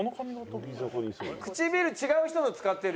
唇違う人の使ってる？